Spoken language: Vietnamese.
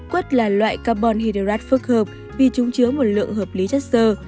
quất là loại carbon hyderat phức hợp vì chúng chứa một lượng hợp lý chất sơ